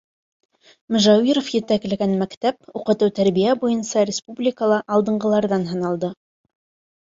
Мөжәүиров етәкләгән мәктәп уҡытыу-тәрбиә буйынса республикала алдынғыларҙан һаналды.